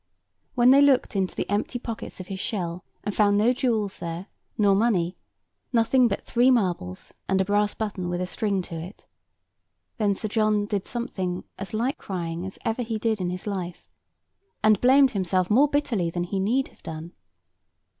When they looked into the empty pockets of his shell, and found no jewels there, nor money—nothing but three marbles, and a brass button with a string to it—then Sir John did something as like crying as ever he did in his life, and blamed himself more bitterly than he need have done.